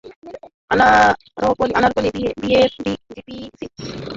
Anarkali, gypsy, floor touch, কটি frock, কটি three piece, tops, কুর্তাসহ মেয়েদের সালোয়ার-কামিজও রয়েছে।